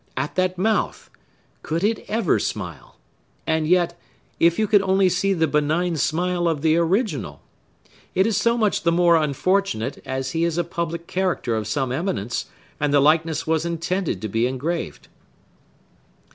At that mouth! Could it ever smile? And yet, if you could only see the benign smile of the original! It is so much the more unfortunate, as he is a public character of some eminence, and the likeness was intended to be engraved."